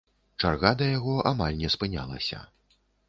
Чарга да яго амаль не спынялася.